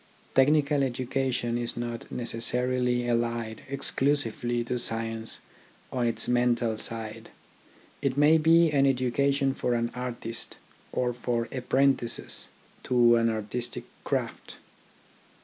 Technical education is not necessarily allied exclusively to science on its mental side. It may be an education for an artist or for apprentices to an artistic craft.